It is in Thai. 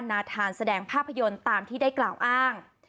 นาธานแสดงภาพยนตร์ตามที่ได้กล่าวอ้าง